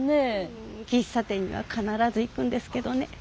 うん喫茶店には必ず行くんですけどね。